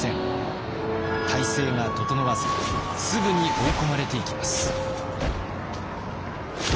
態勢が整わずすぐに追い込まれていきます。